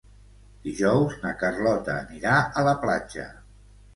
Dijous na Carlota anirà a la platja.